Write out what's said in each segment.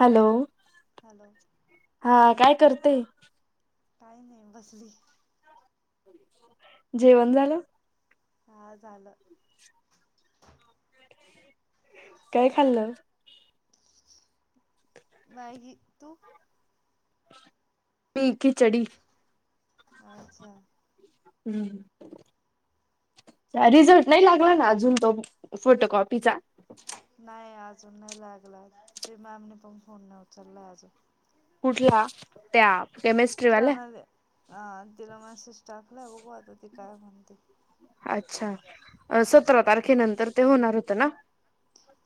Hello hello हा काय करते काही नाही बसली जेवण झालं ह झालं काय खाल्लं मागी तू मीखी चढी अच्छा हम्म अच रिझर््ट नाही लागला ना जून तो फोटोकॉपीचा नाही अजून नाही लागला तिथे मॅमने पण फोन नाही उचलला अजून कुठला त्याम प्रणाले अ तिला मॅसेज टाकला बघ आता ती काय म्हणते अच्छा सतरा तारखेनंतर ते होणार होतं ना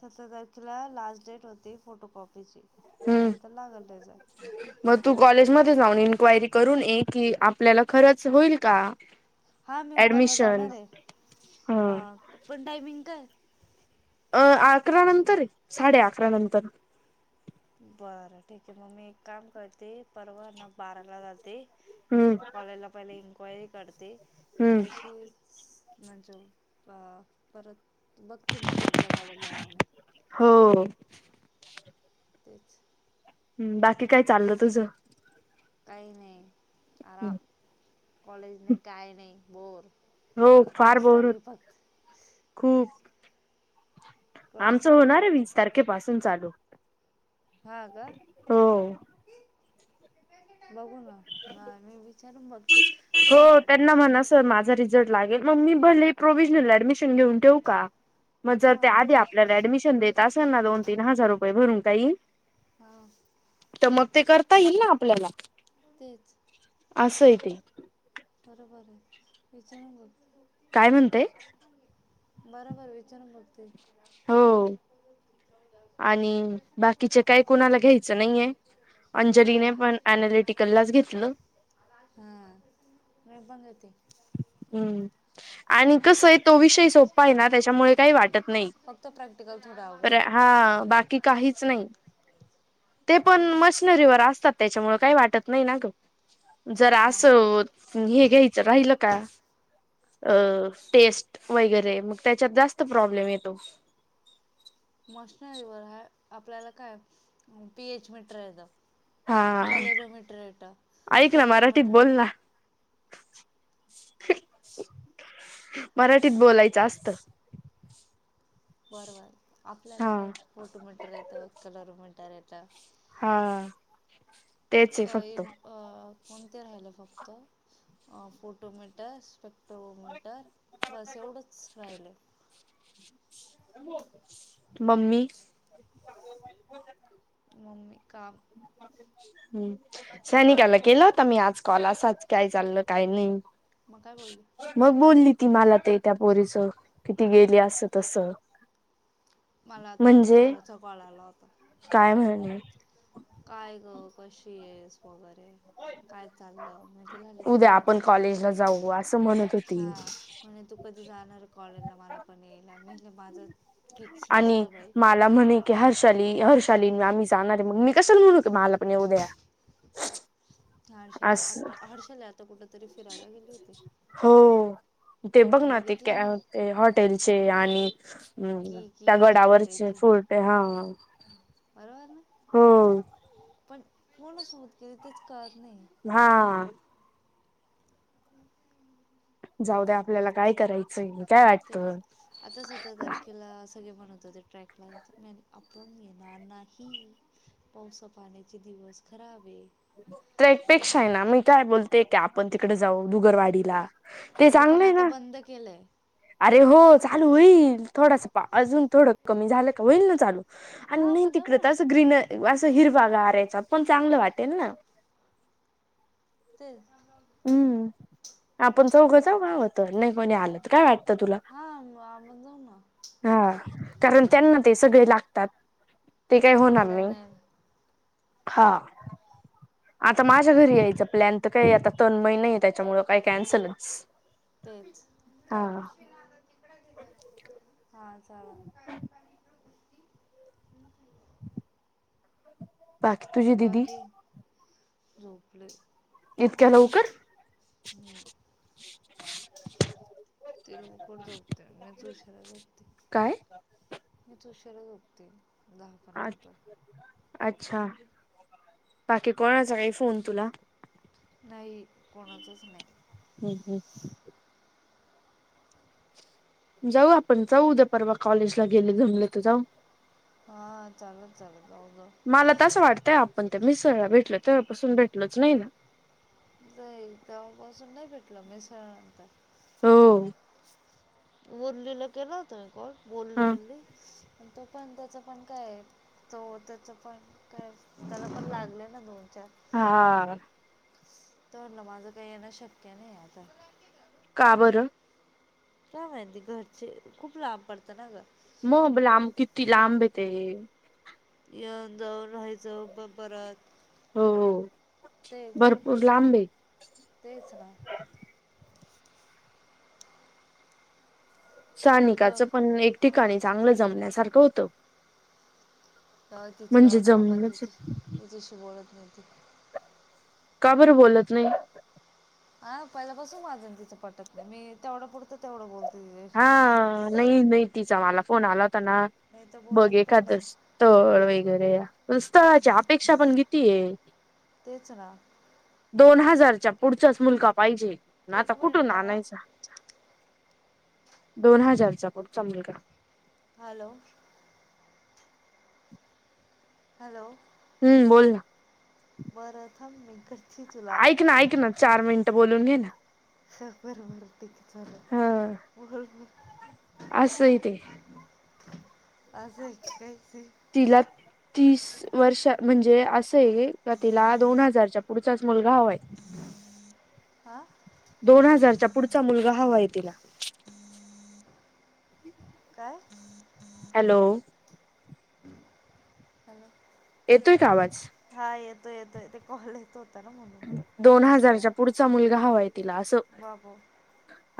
सतरा तारखेला लास्ट डेट होती फोटोकॉपीची त्यानंतर लागलले जा ह मग तू कॉलेजमध्ये जाऊन इन्क्वायरी करून ये की आपल्याला खरंच होईल का हा मी उपरवर ऍडमिशन जाणार आहे ह पण टायमिंग काय अ अकरा नंतर साडे अकरा नंतर बरं ठीक आहे मग मी एक काम करते परवा ना बाराला जाते हम्म कॉलाला पहिले इन्क्वायरी करते मग हम्म तशीच म्हणजे परत बघते मग आपल्या कॉलेजला लाऊणे हो तेच हम् बाकी काय चाललं तुझं काही नाही आराम कॉलेज नाही काय नाही बोर हो फार क्लास बोर होत चालू फक्त खूप क्लास आमचं चालू होणार आहे फक्त वीस तारखेपासून चालू हा का हो. बघू ना मी त्याच्यान मग ते झालं हो त्यांना ऍडमिशन म्हणा सर माझा जर लागेल मग मी भले प्रोव्हजनल ऍडमिशन घेऊन ठेऊ का मग जर ते आधी आपल्याला ऍडमिशन देत असेल ना दोन तीन हजार रुपये भरून काही हा तर मग ते करता येईल ना आपल्याला तेच अससय ते बरोबर आहे विचारून कर काय म्हणतेय बरोबर विचार बघते हो आणि बाकीचे काय कोणाला घ्यायचं नाहीये ते तर अंजलीने पण अनालिटिकललाच घेतलं हा मी बंदती हम्म आणि कस आहे तो विषय सो्पा आहे ना त्याच्यामुळे काही वाटत नाही. फक्त प्रॅक्टिकल थोडं तर आवडं हा बाकी काहीच नाही ते पण,, मशनरीवर असतात त्याच्यामुळ काही वाटत नाही ना ग. जरा हां असं,, हे घ्यायचं राहिलंऽ का,, अ,, टेस्ट वगैरे, मग त्याच्यात जास्त प्रॉब्लेम येतो. मशनरीवर हाय, आपल्याला काय पी एच मीटरयचंऽ हा कलरो ममीट,, र ट ऐक ना मराठीत स्पेक्ट्रोमीटर, बोल ना मराठीत बोलायचं असस्त. बरं, बर आपल्याला हा काय,, फोटो म्हणत रेतो कलर म्हणत यता. हा, तेच आहे अ, फक्त येन,, कोणते राहिले फक्त फोटोमीटर स्पेक्ट्रोमीटर बस एवढंच राहिलंय म्मी. [inaudible] मम्मी का हम्म, सैनिकाला केला होता मी आज कॉल असाच काय चाललं काही नाही. मग काय बोलली? मग बोलली ती मला ते त्या पोरी सोबत, कि ती गेली असं तस. मला आता म्हणजे ऋतुजाचा कॉल आला होता. काय म्हण? [unintelligible] काय ग? कशी येस वगैरे? काय चाललं [unintelligible] झाली तुला उद्या आपण माहिती नाई माझ, कॉलेजला जाऊ असं म्हणत होती हां, म्हणे तू कधी जाणार कॉलेजला मला पण यायला मी मनल माझं फिक्स आणि, नसतं बाई मा ला म्हणे की हर्षाली, हर्षाली आम्ही जाणार आहे मग मी कशाला म्हणू कि मला पण येऊ द्या. [inaudible] हारशल अस आता हर्शल अप. आता कुठ तरी फिरायला गेले होते, हो ते बघ ना ते बघितला ना. ते हॉटेलचे आणि की त्या की गडावरचे कॅफेचे फूर्ट हा. बरोबर ना, हो पण कोणा सोबत गेली तेच कळत नाही. हा. [inaudible] जाऊदे आपल्याला काय कराय चय. [unintelligible] तेच, आता सतरा तारखेला सगळे मनत होते ते ट्रॅक ला यायच मी मनल आपण येणार नाही. पावसा पाण्याचे दिवस खराबये. ट्रेकपेक्षा आहे ना मी काय बोलते का आपण तिकडे जाऊ बुगरवाडीला. ते अगं पण चांगलंय आता ना, बंद केलंय अरे हो चालू होईल. थोडासा पा अजून थोडं कमी झालं का होईल ना चालू आणि हा नाही मग तिकड जाऊ तर ना असं ग्रीन असं हिरवा गारायचा पण चांगलं वाटेल ना. तेच. हम्म, आपण चौघं जाउ हवतर नाही कोणी आलं तर काय वाटतं तुला? आपण जाऊना. हा कारण त्यांना ते सगळे लागतात, ते काय होणार आपल्याला नाई. नाही हा. आता माझ्या घरी यायचं प्लॅन तर काय आता तन्मय नाही त्याच्यामुळ. काय कॅन्सलच, तेच काय हा. हा चा बाकी तुझी दिदी वगे, झोपले. इतक्या लवकर. हम्म ते लवकर झोपते मीच उशीरा झोपते. काय मीच उशीरा झोपते दहा-अकरा नंतर. अच्छा! बाकी कोणाचा काही फोन तुला? नाही कोणाचच नाही. हम्म हम्. जाऊ आपण जाऊ उद्या परवा कॉलेजला गेले जमले तर जाऊ. हा चालत चालल [unintelligible] मला तर असं वाटतंय आपण ते [unintelligible] भेटलो तेव्हापासून भेटलोच नाही ना. जाईल तेव्हापासून नाही भेटलं मिसळनंतर. हो, [unintelligible] केला होत मी कॉल, बोलली ह बिल्ली, पण तो पण त्याच पण काय आहे तो त्याच पण काय, त्याला पण लागलेलं दोन चार हां. तर ना माझं काही येणं शक्य नाही आता. का बरं? काय माहिती घरचे खूप लांब पडतं ना ग. मग लांब किती लांब येते. येऊन जाऊन राहायचं मग परत हो, ते भरपूर लांबए तेच ना. जाऊ सानिकाचं पण एक ठिकाणी चांगलं जमण्यासारखं होतं. तेव्हा तिचं म्हणजे जाऊदे आपण जमलंच तिचे तिच्याशी बोलत नाही त का बरं बोलत नाही? हा पहिल्या पाासून माझं अन तिच पटत नाही, मी तेवढ्या पुरतं तेवढं बोलते तिच्याशी. हा नाही नाही तिचा मला फोन आला होता ना, नाही तर बघ बोलत पण एखादं नाही स्थळ वगैरे. पण स्थळाची अपेक्षा पण किती आहे. तेच ना दोन हजारच्या पुढच्याच मुलगा पाहिजे, आता एक कुठून मिनिट हा आणायचा? दोन हजारचा पुढचा मुलगा. हॅलो! हॅलो! हम्म बोल ना. बरं थांब मी कर ऐक ना ऐक ना! चार मिनिटं बोलून घे ना. बर बर ठीक आहे हा चाललं. [unintelligible] असंय तेे. असंय काय ते? तिला तीस वर्षा, म्हणजे असं आहे हे का तिला दोन हजारच्या पुढचाच मुलगा हवा आहे. हां दोन हजारचा पुढचा मुलगा हवा आहे तिला. [inaudible] काय? हॅलो! हॅलो! येतोय का आवाज? येतोय येतोय, ते कॉले येत हो दोन हजारच्या पुढचा मुलगा हवाय तिला, असं बाबू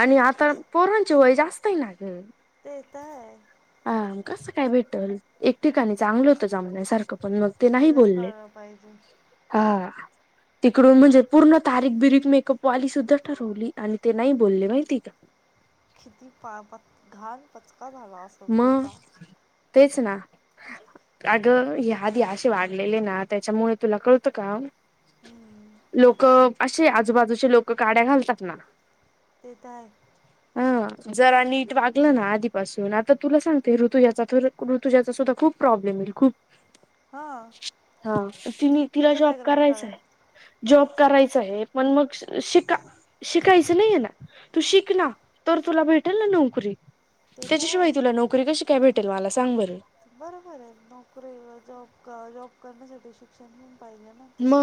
आणि आता पोरांचे वय जास्त आहे ना ग. तेे तर आहे. हा कसं काय भेटल, एक ठिकाणी चांगलं होतं जमण्यासारखं पण मग ते नाही तिला बोलले, कळलं पाहिजे हा. तिकडून म्हणजे पूर्ण तारीख बिरीक, मेकअपवाली सुद्धा ठरवली, आणि ते नाही बोलले माहिती का. किती पा बा घाण पचका झाला अस मग, तेच ना. अगं, ही आधी अशी वागलेली ना, त्याच्यामुळे तुला कळतं का? हम्म लोक असे आजूबाजूचे लोक काड्या घालतात ना ते तर आहे हा जरा नीट वागलं ना आधीपासूनच आता तुला सांगते ऋतुजचा ऋतुाचासुद्धा खूप प्रॉब्लेम येईल खूप हां हा ति तिला तिचं जॉब बॅकग्राऊंड काढा करायचय जॉब करायचा आहे पण मग शिका शिकायचं नाही आहे ना तू शिकना, तर तुला भेटेल ना नोकरी ते तर त्याच्याशिवाय आहे तुला नोकरी कशी काय भेटल मला सांग बर? बरोबर आहे नोकरी जॉब जॉब करण्यासाठी शिक्षण पण पाहिले ना. म तसं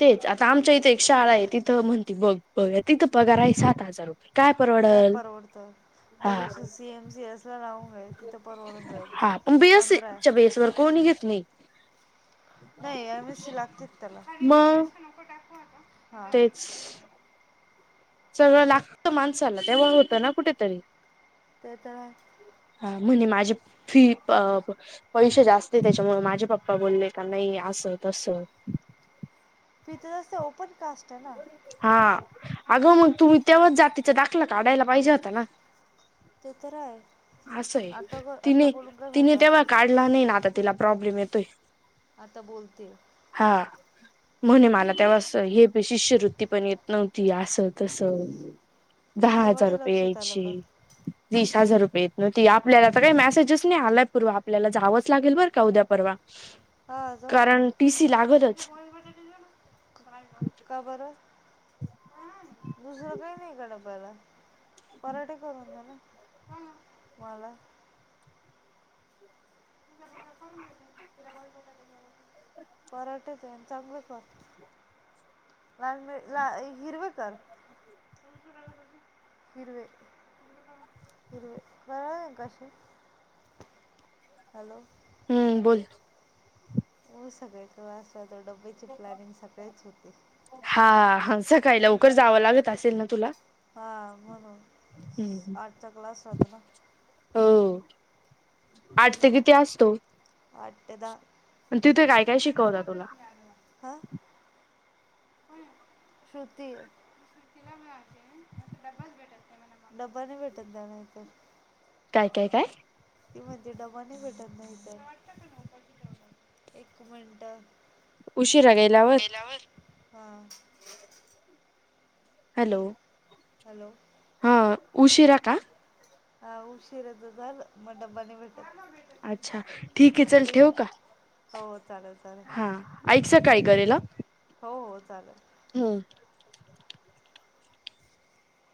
तेच, आता आमच्या इथे एक शाळा आहे तिथं म्हणती बघ बघ तिथं पगार आहे सात हजार रुपये. काय काय परवडल परवडतंय? हा त्यापेक्षा सीएम सीएस ला [unintelligible] तिथं परवडून जाईल, हा पण पंधरा आहे. बीएससीच्या बेसवर कोणी घेत नाही नाही एम एस सी लागते त्याला मग हां तेच सगळं लागत माणसाला तेव्हा होतं ना कुठेतरी ते तर आहे ह म्हणे माझी फी पैसे जास्त त्याच्यामुळे माझे पप्पा बोलले का नाही असं तस तिथं अशी ओपन कास्ट आहे ना हा अगं मग तुम्ही तेव्हाच जातीचं दाखलं काढायला पाहिजे होता ना ते तर आहे असं आहे आता आता तिने बोलून काय तिने फयदा तेव्हा काढला नाही ना आता तिला प्रॉब्लेम येतोय आता बोलते हा म्हणे मला तेव्हा अस हे शिष्यवृत्ती पण येत नव्हती असं तसं दहा तेव्हा हजार ते रुपये लक्षात आलं का यायची वीस हजार रुपये न आपल्याला तर काही मेसेजेस नाही आलाय पूवा आपल्याला जावंच लागेल बर का उद्या परवा हा जाऊ ना कारण टी सी लागतच का बर दुसरं काही नाही का डब्याला पराठे करून दे ना मला [unintelligible] कराठेच आहे आणि चांगलं कर लाल ला हिरवे कर [unintelligible] हिरवे हिरवे जवळ येना काशी हॅलो हम्म बोल हो सगळेच असला तर डब्बेचे प्लॅनिंग सकाळीच होते हा हा सकाळी लवकर जावं लागत असेल ना तुला हां म्हणून हम्म. आठचा क्लास राहतो ना हो आठ ते हो किती असतो आठ ते दहा तिथे काय काय शिकवता तुला? हां श्रृती डबा नाही भेटत जाणार तर काय काय काय? ती म्हणते डबा नाही भेटत ना हीते एक मिनट उशिरा गेल्यावर तिला होय हां हॅलो हां उशीरा का? हा उशीरच झालं मग डब्बा नाहीत भेटत अच्छा ठीक आहे चल दुपारी घे ठेवू का? हो चालेल चालेल हा ऐक सकाळी करेल अ हो हो, चालेल. हम,